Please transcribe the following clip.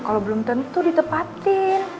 kalau belum tentu ditepatin